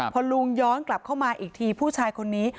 พอลุงย้อนกลับเข้ามาอีกทีผู้ชายคนนี้